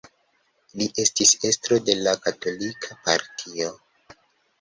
Li estis estro de la Katolika Partio.